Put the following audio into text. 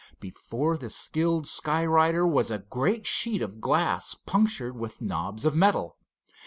Before the skilled sky rider was a great sheet of glass punctured with knobs of metal.